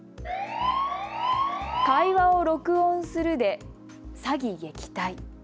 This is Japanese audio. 会話を録音するで詐欺撃退。